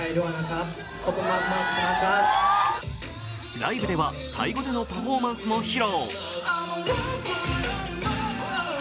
ライブではタイ語でのパフォーマンスも披露。